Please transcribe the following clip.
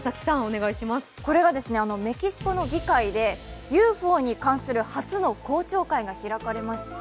これがメキシコの議会でＵＦＯに関する初の公聴会が開かれました。